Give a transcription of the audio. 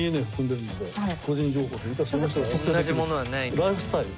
ライフスタイル